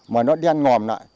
mà nó đen ngòm lại